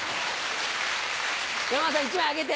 山田さん１枚あげて。